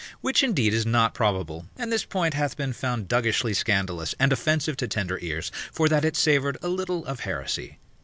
Which indeed is not probable, and this point hath been found duggishly scandalous and offensive to tender ears, for that it savoured a little of heresy.